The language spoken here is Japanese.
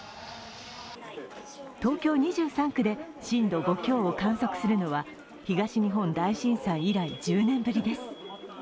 東京２３区で震度５強を観測するのは東日本大震災以来１０年ぶりです。